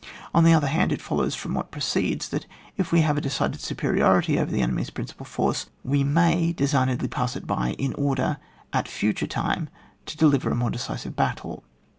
On the other hand, it follows from what precedes, that if we have a de cided superiority over the enemy's principal force, we may designedly pass it by in order at a future time to delirer a more decisive battle.